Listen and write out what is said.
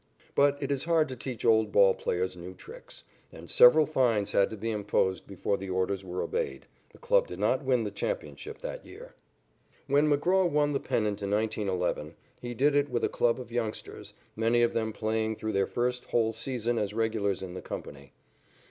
But it is hard to teach old ball players new tricks, and several fines had to be imposed before the orders were obeyed. The club did not win the championship that year. When McGraw won the pennant in 1911, he did it with a club of youngsters, many of them playing through their first whole season as regulars in the company.